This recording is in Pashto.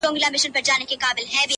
له سدیو دا یوه خبره کېږي-